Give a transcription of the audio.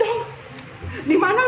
apa harus ibu saya juga meninggal